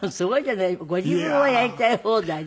ご自分はやりたい放題で。